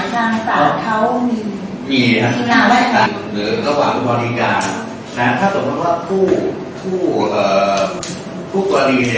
หรือระหว่างผู้บริการถ้าสมมติว่าผู้กรีด